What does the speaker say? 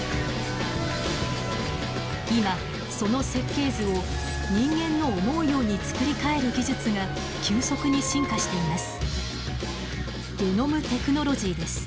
今その設計図を人間の思うように作り替える技術が急速に進化しています。